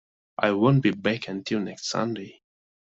I won't be back until next Sunday.